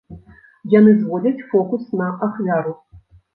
Яны зводзяць фокус на ахвяру.